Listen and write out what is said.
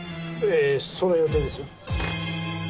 ええその予定です。